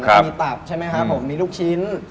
และมีตับมีลูกชิ้น